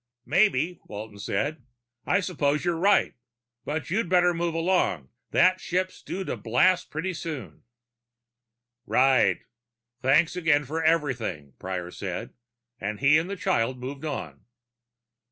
"Maybe," said Walton. "I suppose you're right. But you'd better move along. That ship's due to blast pretty soon." "Right. Thanks again for everything," Prior said, and he and the child moved on.